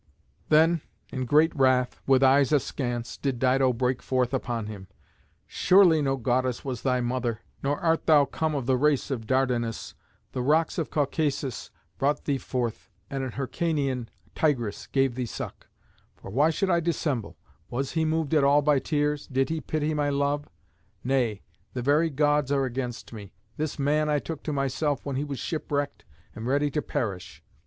Then, in great wrath, with eyes askance, did Dido break forth upon him: "Surely no goddess was thy mother, nor art thou come of the race of Dardanus. The rocks of Caucasus brought thee forth, and an Hyrcanian tigress gave thee suck. For why should I dissemble? Was he moved at all by tears? Did he pity my love? Nay, the very Gods are against me. This man I took to myself when he was shipwrecked and ready to perish.